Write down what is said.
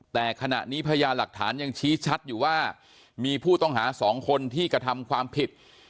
แต่ขณะนี้พยานหลักฐานยังชี้ชัดอยู่ว่ามีผู้ต้องหา๒คนที่กระทำความผิด